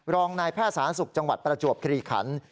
รองนายแพทย์สาธารณสุขจังหวัดประจวบคลีขัน